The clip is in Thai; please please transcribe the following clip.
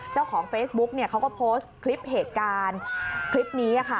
เจ้าของเฟซบุ๊กเนี่ยเขาก็โพสต์คลิปเหตุการณ์คลิปนี้ค่ะ